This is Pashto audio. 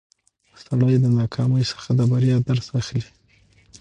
سړی د ناکامۍ څخه د بریا درس اخلي